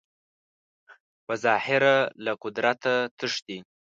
په ظاهره له قدرته تښتي